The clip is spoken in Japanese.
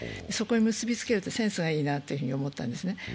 そこに結びつけるというのはセンスがいいなと思ったんですね。